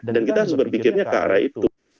dan kita harus berpikirnya ke arah itu